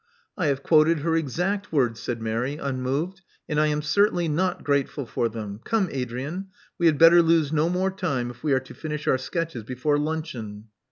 " I have quoted her exact words," said Mary, unmoved; and I am certainly not grateful for them. Come, Adrian. We had better lose no more time if we are to finish our sketches before luncheon?"